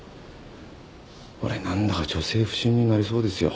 俺何だか女性不信になりそうですよ。